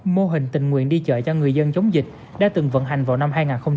mô hình tình nguyện đi chợ cho người dân chống dịch đã từng vận hành vào năm hai nghìn một mươi